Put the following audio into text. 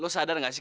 lo sadar gak sih